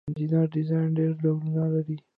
انجنیری ډیزاین ډیر ډولونه لري.